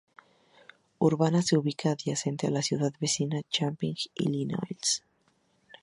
Urbana se ubica adyacente a la ciudad vecina de Champaign, Illinois.